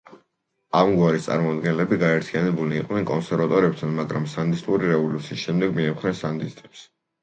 ამ გვარის წარმომადგენლები გაერთიანებულნი იყვნენ კონსერვატორებთან, მაგრამ სანდინისტური რევოლუციის შემდეგ მიემხრნენ სანდინისტებს.